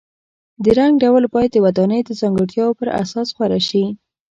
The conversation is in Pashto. د رنګ ډول باید د ودانۍ د ځانګړتیاو پر اساس غوره شي.